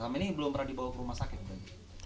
kami ini belum pernah dibawa ke rumah sakit